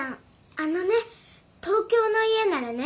あのね東京の家ならね